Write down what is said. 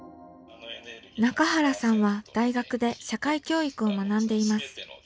中原さんは大学で社会教育を学んでいます。